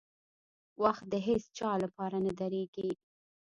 • وخت د هیڅ چا لپاره نه درېږي.